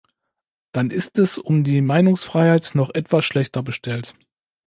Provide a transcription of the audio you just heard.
Dann ist es um die Meinungsfreiheit noch etwas schlechter bestellt.